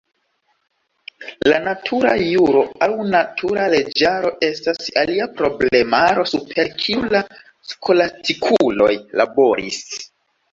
La natura juro aŭ natura leĝaro estas alia problemaro super kiu la skolastikuloj laboris.